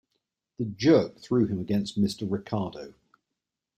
The jerk threw him against Mr. Ricardo.